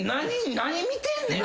何見てんねん。